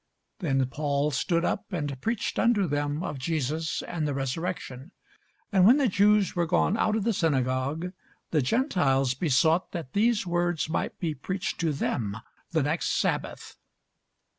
Then Paul stood up, and preached unto them of Jesus and the resurrection. And when the Jews were gone out of the synagogue, the Gentiles besought that these words might be preached to them the next sabbath.